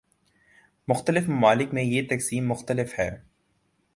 مختلف ممالک میں یہ تقسیم مختلف ہے۔